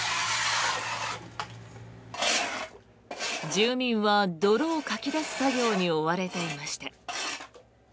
住民は泥をかき出す作業に追われていました。